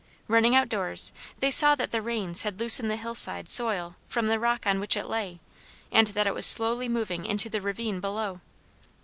Running out doors, they saw that the rains had loosened the hill side soil from the rock on which it lay, and that it was slowly moving into the ravine below.